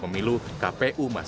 kpu masih menggunakan prosedur manual